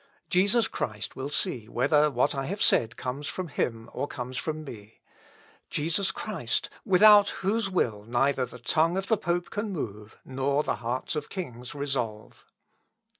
Jesus Christ will see whether what I have said comes from him or comes from me Jesus Christ, without whose will neither the tongue of the pope can move, nor the hearts of kings resolve.